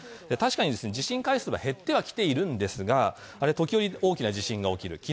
確かに地震回数は減ってはきているんですが、時折、大きな地震が起きる。